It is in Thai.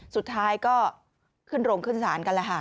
สุดท้ายก็ขึ้นโรงขึ้นศาลกันแล้วค่ะ